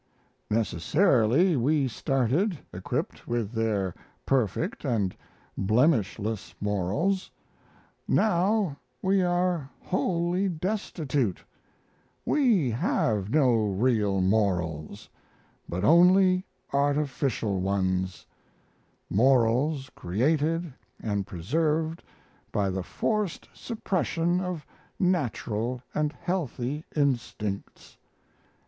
Necessarily we started equipped with their perfect and blemishless morals; now we are wholly destitute; we have no real morals, but only artificial ones morals created and preserved by the forced suppression of natural & healthy instincts.